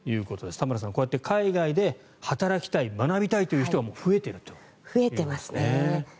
田村さん、こうやって海外で働きたい、学びたいという人が増えていますね。